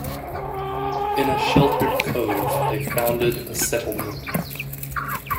In a sheltered cove they founded a settlement.